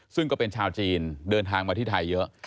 ซึ่งก็เป็นชาวจีนเดินทางมาที่ไทยเยอะ